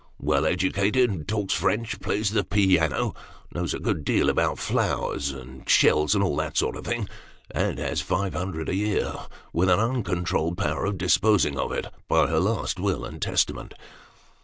Well educated ; talks French ; plays the piano ; knows a good deal about flowers, and sheik, and all that sort of thing ; and has five hundred a year, with an uncontrolled power of disposing of it, by her last will and testament."